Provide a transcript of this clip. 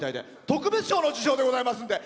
特別賞の受賞でございますんで。